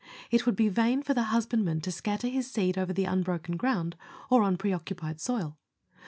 It would be in vain for the husbandman to scatter his seed over the unbroken ground or on pre occupied soil.